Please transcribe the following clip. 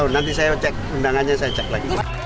nanti saya cek undangannya saya cek lagi